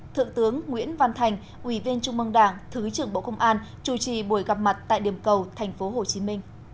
thượng tướng nguyễn văn thành ủy viên trung mương đảng thứ trưởng bộ công an chủ trì buổi gặp mặt tại điểm cầu tp hcm